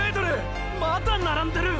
まだ並んでる！！